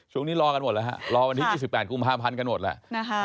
ตรงนี้รอกันหมดแล้วครับรอวันที่๒๘กุม๕พันธุ์กันหมดแล้ว